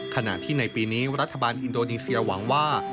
ขณะที่ในปีนี้รัฐบาลอินโดนีเซียหวังว่า